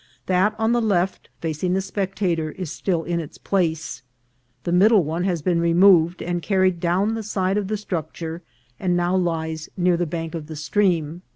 That on the left, facing the spectator, is still in its place. The middle one has been removed and carried down the side of the structure, and now lies near the bank of the stream.